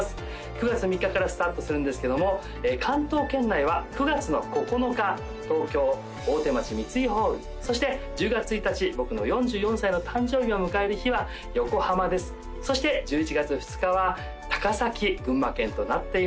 ９月３日からスタートするんですけども関東圏内は９月の９日東京大手町三井ホールそして１０月１日僕の４４歳の誕生日を迎える日は横浜ですそして１１月２日は高崎群馬県となっています